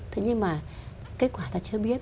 thế nhưng mà kết quả ta chưa biết